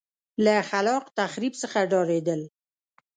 له خلاق تخریب څخه ډارېدل.